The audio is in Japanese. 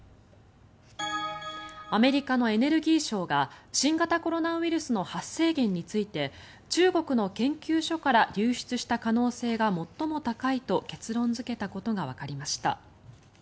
アメリカのエネルギー省が新型コロナウイルスの発生源について中国の研究所から流出した可能性が最も高いと結論付けたことがわかりました。